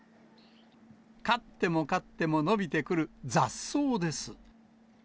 刈っても刈っても伸びてくる雑草です。